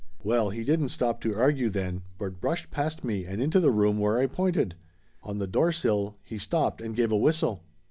Well, he didn't stop to argue then, but brushed past me and into the room where I pointed. On the door sill he stopped and give a whistle.